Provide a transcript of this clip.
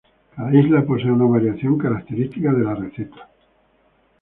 Cada isla posee una variación característica de la receta.